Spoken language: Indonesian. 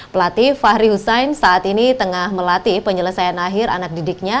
pelatih fahri hussein saat ini tengah melatih penyelesaian akhir anak didiknya